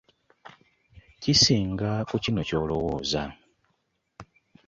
Kisinga ku kino ky'olowooza.